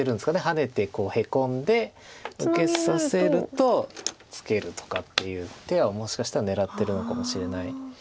ハネてヘコんで受けさせるとツケるとかっていう手をもしかしたら狙ってるのかもしれない。